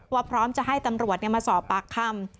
พร้อมจะให้ตำรวจมาสอบปากคำ